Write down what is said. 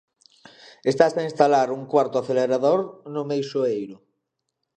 Estase a instalar un cuarto acelerador no Meixoeiro.